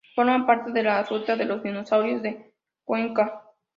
Forma parte de la Ruta de los Dinosaurios de Cuenca.